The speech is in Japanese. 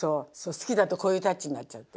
好きだとこういうタッチになっちゃうって。